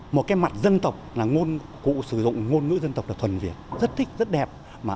một cái mặt dân tộc là ngôn cụ sử dụng ngôn ngữ dân tộc là thuần việt rất thích rất đẹp